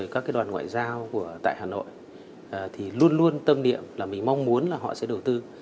các đoàn ngoại giao tại hà nội thì luôn luôn tâm niệm là mình mong muốn là họ sẽ đầu tư